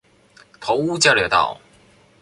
頭屋交流道